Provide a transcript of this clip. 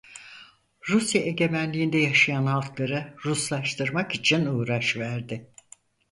Rusya egemenliğinde yaşayan halkları Ruslaştırmak için uğraş verdi.